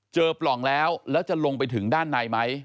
ปล่องแล้วแล้วจะลงไปถึงด้านในไหม